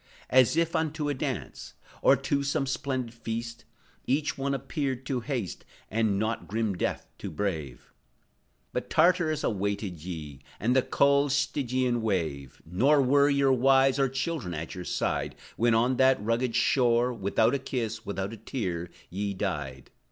As if unto a dance, Or to some splendid feast, Each one appeared to haste, And not grim death Death to brave; But Tartarus awaited ye, And the cold Stygian wave; Nor were your wives or children at your side, When, on that rugged shore, Without a kiss, without a tear, ye died.